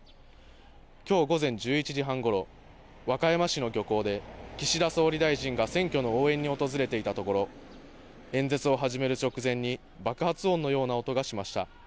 きょう午前１１時半ごろ、和歌山市の漁港で岸田総理大臣が選挙の応援に訪れていたところ演説を始める直前に爆発音のような音がしました。